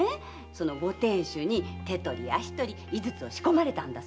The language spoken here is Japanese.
そのご亭主に手取り足取り医術を仕込まれたんだそうだよ。